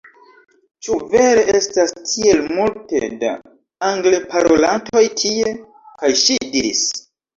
"Ĉu vere estas tiel multe da Angleparolantoj tie?" kaj ŝi diris: